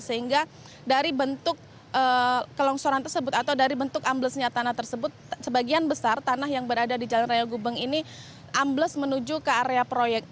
sehingga dari bentuk kelongsoran tersebut atau dari bentuk amblesnya tanah tersebut sebagian besar tanah yang berada di jalan raya gubeng ini ambles menuju ke area proyek